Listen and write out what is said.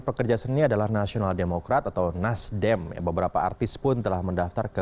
pekerja seni adalah nasional demokrat atau nasdem beberapa artis pun telah mendaftar ke